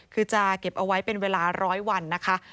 คือจะเก็บเอาไว้เป็นเวลา๑๐๐วันนะคะ